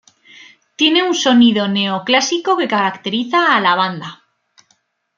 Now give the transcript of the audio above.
Tiene un sonido neoclásico que caracteriza a la banda.